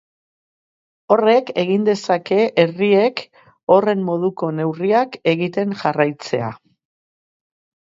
Horrek, egin dezake herriek horren moduko neurriak egiten jarraitzea.